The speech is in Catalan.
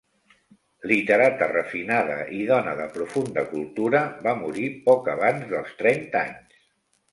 Literata refinada i dona de profunda cultura, va morir poc abans dels trenta anys.